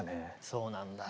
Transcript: そうなんだ。